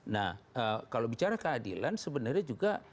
nah kalau bicara keadilan sebenarnya juga